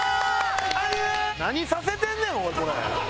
何させてんねんおいこれ！